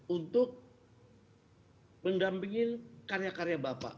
untuk mendampingin karya karya bapak